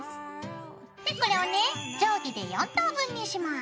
でこれをね定規で４等分にします。